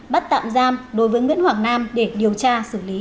bắt tạm giam đối với nguyễn hoàng nam để điều tra xử lý